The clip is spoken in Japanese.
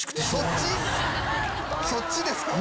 そっちですか。